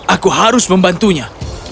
aku harus membantunya